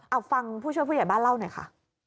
เอาฟังผู้ช่วยผู้ใหญ่บ้านเล่าหน่อยค่ะ